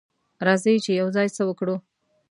راځه چې یوځای څه وکړو.